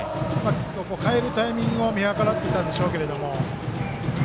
代えるタイミングを見計らっていたんでしょうけども。